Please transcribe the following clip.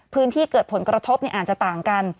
พื้นที่เกิดผลกระทบอาจจะต่างกัน